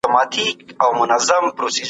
اقتصادي رفاه له ټولنیزې رفاه څخه جلا مه ګڼئ.